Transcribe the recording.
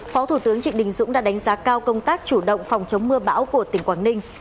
phó thủ tướng trịnh đình dũng đã đánh giá cao công tác chủ động phòng chống mưa bão của tỉnh quảng ninh